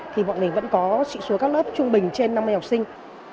thì bọn mình vẫn có sĩ số các lớp trung bình trên năm mươi học sinh